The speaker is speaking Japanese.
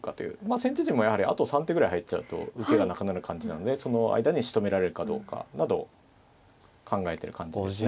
先手陣もやはりあと３手ぐらい入っちゃうと受けがなくなる感じなのでその間にしとめられるかどうかなどを考えてる感じですね。